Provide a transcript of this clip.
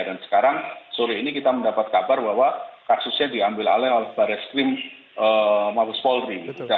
dan sekarang sore ini kita mendapat kabar bahwa kasusnya diambil alih oleh baris krim maus polri